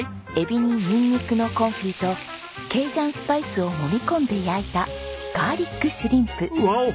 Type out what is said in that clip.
エビにニンニクのコンフィとケイジャンスパイスをもみ込んで焼いたガーリックシュリンプ。